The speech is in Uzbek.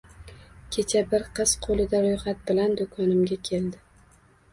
Kecha bir qiz qo`lida ro`yxat bilan do`konimga keldi